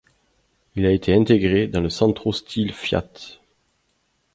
Il a été intégré dans le Centro Stile Fiat.